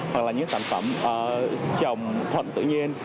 hoặc là những sản phẩm trồng thuận tự nhiên